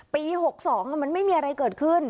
ปี๖๒มันไม่มีอะไรเกิดขึ้น